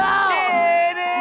aku tidak dream